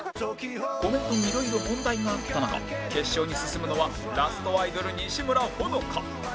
コメントにいろいろ問題があった中決勝に進むのはラストライドル西村歩乃果